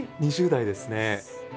２０代ですね。